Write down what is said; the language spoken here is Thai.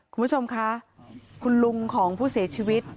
คุณผู้ชมคะคุณลุงของผู้เสียชีวิต